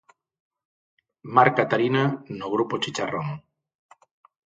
Mar Catarina no grupo Chicharrón.